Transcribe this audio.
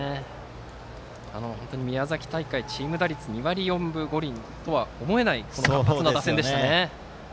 本当に宮崎大会チーム打率２割４分５厘とは思えない、活発な打線でしたね。